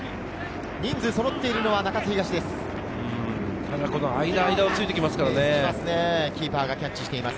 人数がそろっているのは中津東です。